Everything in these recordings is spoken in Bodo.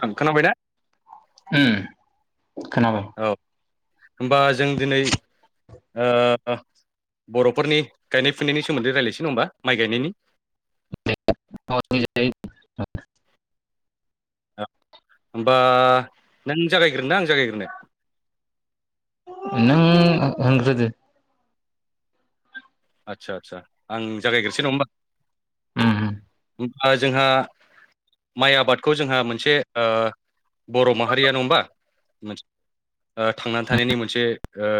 खोनाबाय दा उम खोनाबाय होमबा जों दिनै ओ बर'फोरनि गायनाय फुनायनि सोमोन्दै रायलायसै नङा होमबा माइ गायनायनि [unintelligible] होमबा नों जागायग्रोनो ना आं जागायग्रोनो [unintelligible] नों होनग्रोदो आदसा आदसा आं जागायग्रोसै नङा होमबा ओ उम जोंहा माइ आबादखौ जोंहा मोनसे ओ बर' माहारिया नङामबा मोनसे ओ थांनानै थानायनि मोनसे ओ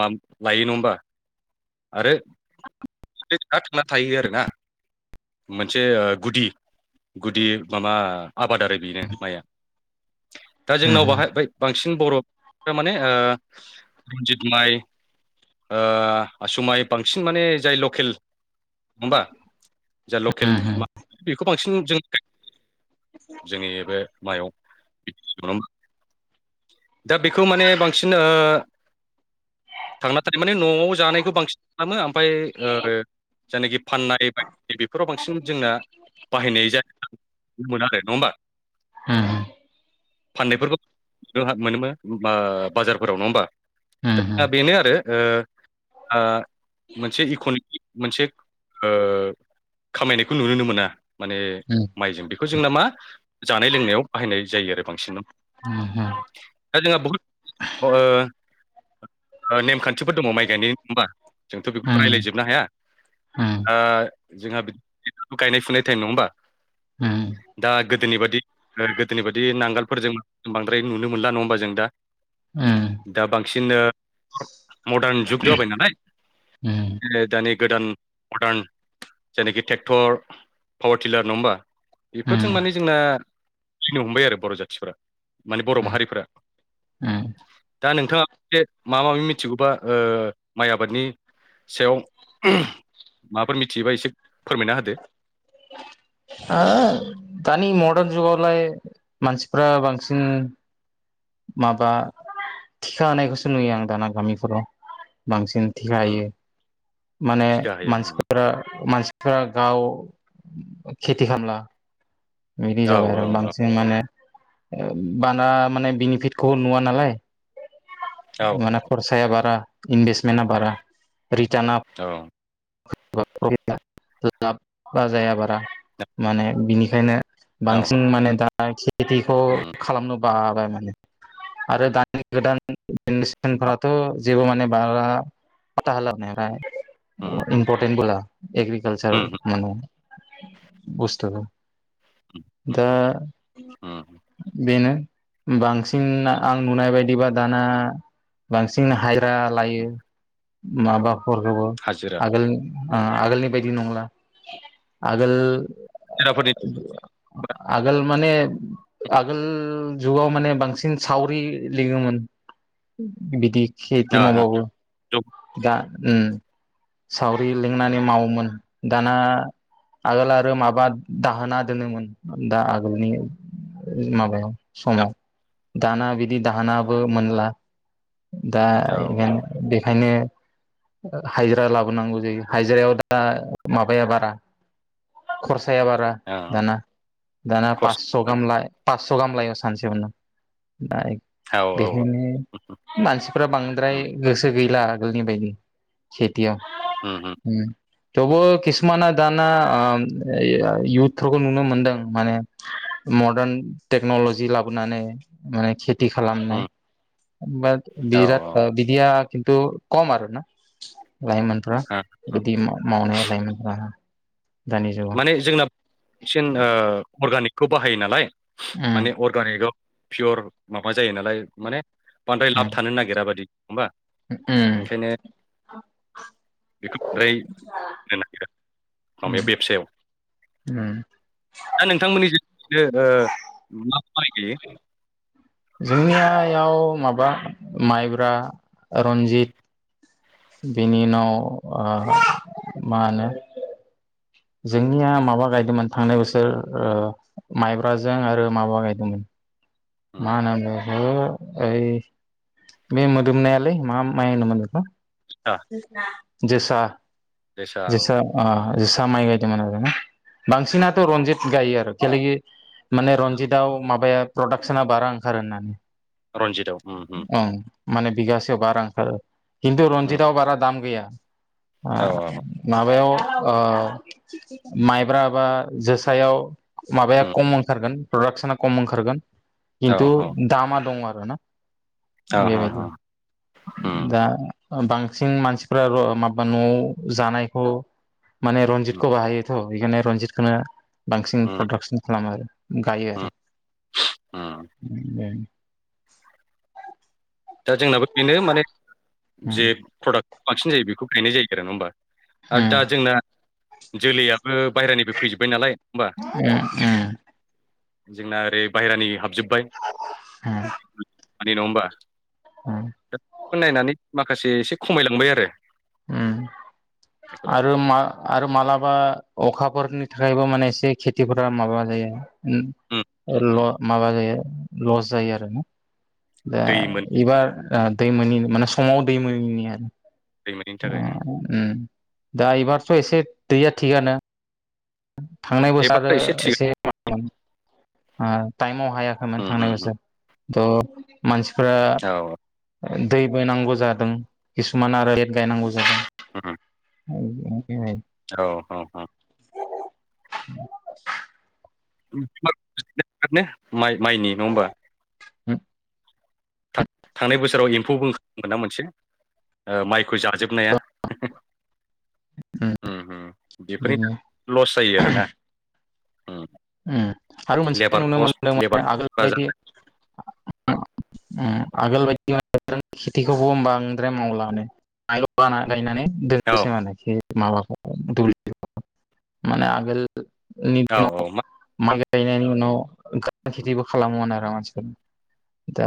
लाम लायो नङा होमबा आरो था-थांना थायो आरो ना मोनसे ओ गुदि गुदि मामा आबाद आरो बेनो माइआ दा जोंनाव उम बाहाय बांसिन बर'फोरा माने ओ रन्जित माइ ओ आसु माइ बांसिन माने जाय लकेल नङा होमबा जा लकेल उम उम माइ बेखौ बांसिन जों जोंनि बे माइयाव दा बेखौ माने बांसिन ओ थांना थानाय माने न'आव जानाय बेखौ बांसिन खालामो आमफाय ओ जायनाखि फाननाय बायनाय बेफोराव बांसिन जोंना बाहायनाय जा जादों बुंमोन आरो नङा होमबा [unintelligible] फाननायफोरखौ जोंहा मोनोमोन ओ बाजारफोराव नङा होमबा उम उम दा बेनो आरो ओ ओ मोनसे इक'नमि मोनसे ओ खामायनायखौ नुनोनो मोना माने माइजों बेखौ बेखौ जोंना मा जानाय लोंनायाव बाहायनाय जायो आरो बांसिन दा जोंहा बहुत ओ नेम खानथिफोर दङ माइ गायनायनि होमबा जोंथ' बेखौ रायलायजोबनो हाया ओ जोंहा [unintelligible] गायनाय फुनाय टाइम नङा होमबा उ दा गोदोनि बायदि गोदोनि बायदि नांगोलफोरजों बांद्राय नुनो मोनला नङा होमबा जों दा दा बांसिनो मडार्न जुग जाबाय नालाय दानि गोदान मडार्न जायनाखि ट्रेक्टर पावार टिलार नङा होमबा बेफोरजों उम माने जोंना फैनो हमबाय आरो बर' जाथिफोरा माने बर' उम माहारिफोरा उम दा नोंथाङा एसे माबा माबि मिथिगौबा ओ माइ आबादनि सायाव माबाफोर मिथियोबा एसे फोरमायना होदो। ओ दानि मदार्न जुगावलाय मानसिफ्रा बांसिन माबा थिखा होनानायखौसो नुयो आं दाना गामिफोराव बांसिन थिखा उम हायो माने थिखा होयो उम मानसिफोरा मानसि गाव खेथि खालामला बिदि औ जाबाय आरो औ बांसिन माने ओ बाना माने बेनिफिटखौ नुवा नालाय औ माने खरसाया बारा इनभेटमेन्टआ बारा रिटार्ना औ [inaudible] लाबा जाया बारा माने बिनिखायनो औ औ बांसिन माने दा खेथिखौ उम खालामनो बाबाय माने आरो दानि गोदान उम जेनेरेसनफ्राथ' जेबो माने बारा पाथा होला उम इमपर्टेन्ट होला एग्रकालचार माने बुस्थु उम उम दा उम बेनो बांसिन आं नुनाय बायदिबा दाना बांसिन हाय उम लायो माबा खबो हाजिरा आगोल आगोलनि बायदि नंला आगोल हाजिराफोरनि आगोल माने आगोल जुगाव माने बांसिन सावरि लिङोमोन बिदि खेथि ओ मावबाबो दा ओम सावरि लिंनानै मावोमोन दाना आगोल आरो माबा दाहोना दोनोमोन दा आगोलनि माबायाव समाव दाना बिदि दाहोनाबो मोनला दा ओ औ बेखायनो हाइजिरा लाबोनांगौ जायो हाइजिरायाव दा माबाया बारा खरसाया बारा औ ओ दाना दाना पासस' खरसा गाहाम ला फास्स' गाहाम लायो सानसेयावनो औ औ औ उम मानसिफ्रा बांद्राय उम गोसो गैला आगोलनि बायदि खेथियाव उम थेवबो किसुमाना दाना ओ इयउथफोरखौ नुनो मोनदों माने मदार्न टेक्नलजि लाबोनानै माने खे ति खालामनाय उम बा औ बिराद बिदि खिन थु खम आरो। ना लाइमोनफ्रा हो हो बिदि मावनाया लाइमोन माने जोंना बांसिन अर्गानिकखौ बाहायो नालाय माने उम अर्गानिकआव पियर माबा जायो नालाय माने बांद्राय लाब थानो नागिरा बादि बा उम ओंखायनो बेखौ बद्राय नागिर उम उम बे माइ गायो जोंनियाव माबा माइब्रा रन्जित बेनि उनाव आ मा होनो जोंनिया माबा गायदोंमोन थांनाय बोसोर ओ माइब्राजों आरो माबा गायदोंमोन उम, मा होनो बै ओ ओइ बे मोदोमनायालै मा माइ होनोमोन बेखौ? जोसा जोसा जोसा अ जोस सा माइ गायदोंमोन आरोना बांसिनाथ' रनजित गायो आरो थेलेगि माने रनजितआव माबाया प्रडाक्सना बारा ओंखारो होननानै। रन्जितआव औ रन्जित औ उम उम औ उम माने बिगासेयाव बारा ओंखारो खिन्थु उम रनजितआव बारा दाम गैया ओ औ माबायाव ओ माइब्रा बा जोसायाव माबाया उम खम ओंखारगोन प्रडाक्सना खम ओंखारगोन औ खिन्थु औ दामा दं आ रो ना औ बेबायदि औ उम दा ओ बांसिन मानसिफ्रा र माबा न'आव जानायखौ माने उम रनजितखौ गाहायो थ' एखायनो रनजितखोनो बांसिन उम प्रडाक्सन खालामो आरो। गायो आरो। उम उम [unintelligible] दा जोंनाबो बेनो माने उम जे प्रडाक्ट बांसिन जायो बेखौ गायनाय जायो आरो । नङा होमबा? आरो दा जोंना जोलैया बो बाहेरानिफाय फैजोबबाय नालाय होमबा जोंना ओरै बायहेरानि हाब हम मानि नङा होमबा? उम दा बेखौ नायनानै माखासे एसे खमायलांबाय आरो। उम बेफोरा आरो मा आरो माला बा अखाफोरनि थाखायबो माने एसे खेथिफोरा माबा जायो उम उम ल उम माबा जायो लस जायो आरोना। दा दै मोन एबार आ दै मोनिनि माने समाव दै मोनिनि आरो। दै मोनैनि आ थाखाय उम दा एबारथ' एसे दैया थिगानो। थांनाय बोसारो एबार थिग एसे [unintelligible] आ टाइमाव हायाखैमोन उम थांनाय उम उम बोसोर थ' मानसि औ फोरा दैबो नांगौ जादों किसुमान आरो टेफ बायनांगौ जादों। उम [unintelligible] औ औ औ। [inaudible] [inaudible] माइ माइनि नङा होमबा? हम था थांनाय बोसोराव एम्फौ [inaudible] ना मोनसे ओ माइखौ जाजोबनाया उम उम हम बेफोरनि बिदिनो [inaudible] लस जायो आरोना। उम उम आरो मोनसे लेबार नुनो मोनदों कस्ट माने लेबार आगोल बायदि उम आगोल बायदि [inaudible] औ दोनोसै माने खे माबाखौ दुब्लिखौ माने आगोल नि औ दिनाव औ मा माइ गायनायनि उनाव [inaudible] खेथिबो खालामोमोन आरो मान दा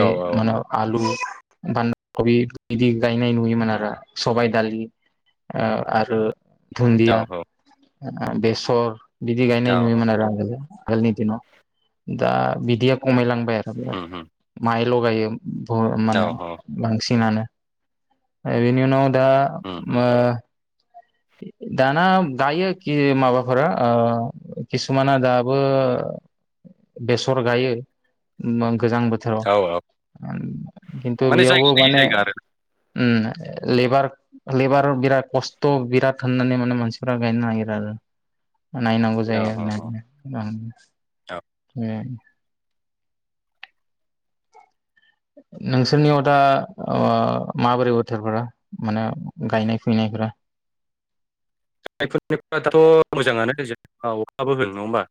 औ मानो आलु बान्दा खबि बिदि गायनाय नुयोमोन उम आरो। सबाय दालि ओ आरो औ दुन्दिया ओ बेसर बिदि गायनाय औ नुयोमोन आरो आगोलो। आगोलनि दिनाव दा बिदिया खमायलांबाय आरो बिराद उम उम माइल गायो। ब औ मानो औ बांसिनानो। ओ‌ इनि उनाव दा उम, उम, मो उम। दाना गायोखि माबाफोरा ओ किसुमाना दाबो [inaudible] बेसर गायो मां गोजां बोथोराव औ औ खिन्थु माने बियावबो जायगा लायै माने जायगा आरो उम लेबार लेबार बिराद कस्थ' बि दाग होननानै माने मानसिफोरा गायनो नागिरो आरो नायनांगौ औ जायो औ आरो [unintelligible] नोंसोरनियाव दा माबोरै बोथोरफोरा माने गायनाय फुनाय [unintelligible] जायफोरनिफाथ' मोजाङानो अखाबो होन नङा होमबा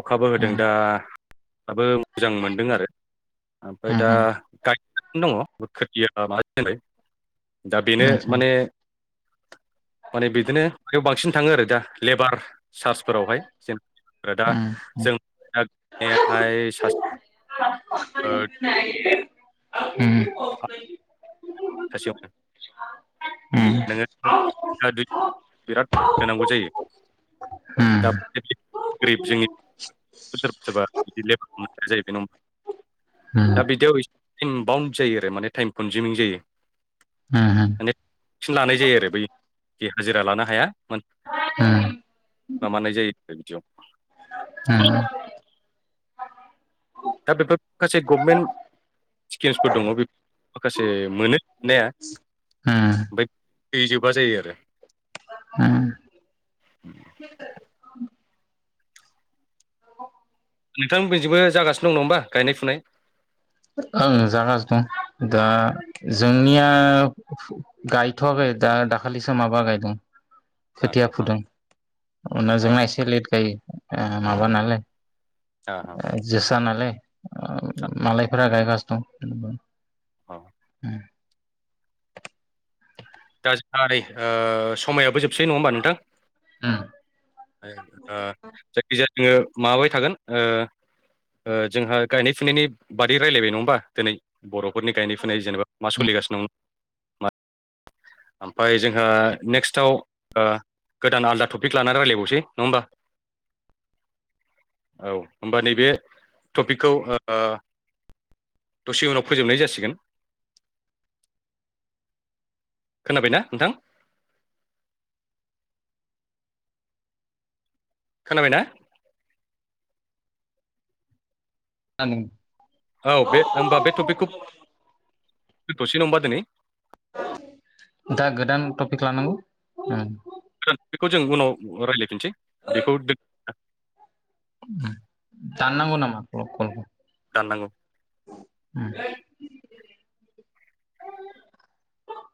अखाबो होदों उम दा दाबो मोजां मोनदों आरो ओमफ्राय उम दा गायगासिनो दङ खोरथिया [unintelligible] दा बेनो उम आतसा माने माने बिदिनो माबायाव बांसिन थाङो आरो दा लेबार चार्सफोरावहाय जों दा उम जों दहाय चार [inaudible] सासेयावनो नोङो बिराद होनांगौ जायो दा गोरिब जोंनि [unintelligible] दा बिदियाव एसे टाइम बाउन्ड जायो आरो माने टाइम कनजिउमिं जायो मानेफिन लानाय जायो आरो बैखि हाजिरा लानो हाया माबानाय जायो बिदियाव होम दा बेफोर माखासे गभमेन्ट स्किलफोर दङ बे माखासे मोनो ने ओमफ्राय गैजोबा जायो आरो होम नोंथांमोननिथिंबो जागासिनो दं नङा होमबा गायनाय फुनाय ओं जागासिनो दं दा जोंनिया गायथ'वाखै दा दाखालिसो माबा गायदों औ खोथिया फुदों उनाव औ अ जोंना एसे लेट जायो माबा नालाय अ अ जोसा नालाय अ मालायफोरा गायगासै दं औ दा जोंहा नै समायाबो जोबसै नङा होमबा नोंथां दं जायखिजाया जोङो माबाबाय थागोन जोंहा गायनाय फुनायनि बादै रायज्लायबाय नङा होनोमा दिनै बर' न'खरनि गायनाय फुनाय जेनेबा मा सोलिगासिनो दं म ओमफफ्राय जोंहा नेक्स्टआव गोदान आलदा टपिक लानानै रायज्लायबावसै नङा होमबा औ होमबा नैबे टपिकखौ आ दसे उनाव फोजोबनाय जासिगोन खोनाबायना नोंथां खोनाबायना [unintelligible] औ बे होमबा बे टपिकखौ दोनथ'सेै [unintelligible] दिनै दा गोदान टपिक लानांगौ बेखौ जों उनाव रायज्लायफिनसै बेखौ दानांगौ नामा कलखौ दाननांगौ [inaudible]